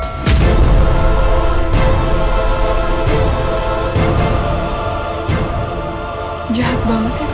kalau misalnya mama sama tante